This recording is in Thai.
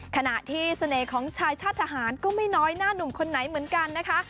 ขณะที่เสน่ห์ของชายชาติทหารก็ไม่น้อยหน้าหนุ่มคนไหนเหมือนกันนะคะ